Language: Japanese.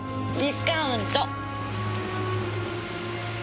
ディスカウント！